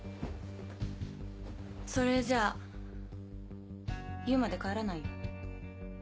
それじゃあ言うまで帰らないよ。